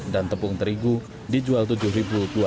dan tepung terigu dijual rp tujuh dua ratus